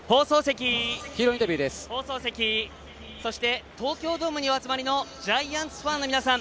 放送席、放送席そして東京ドームにお集まりのジャイアンツファンの皆さん